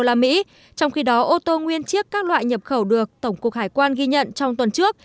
trong khi đó ô tô nguyên chiếc các loại nhập khẩu được tổng cục hải quan ghi nhận trong tuần trước